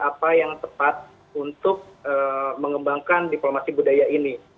apa yang tepat untuk mengembangkan diplomasi budaya ini